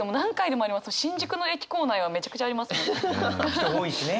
人が多いしね。